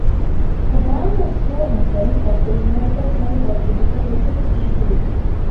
The band was so impressed that they invited Felder to become the fifth Eagle.